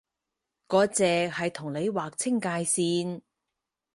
割蓆係同你劃清界線